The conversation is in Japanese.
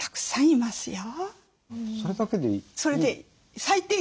それだけでいい。